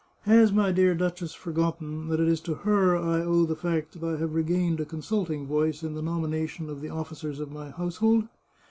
Has my dear duchess forgotten that it is to her I owe the fact that I have regained a consulting voice in the nomination of the officers of my household